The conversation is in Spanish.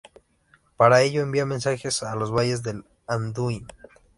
Para ello envía mensajeros a los valles del Anduin.